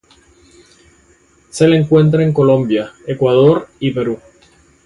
Se la encuentra en Colombia, Ecuador, y Perú.